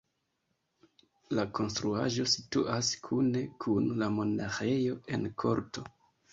La konstruaĵo situas kune kun la monaĥejo en korto.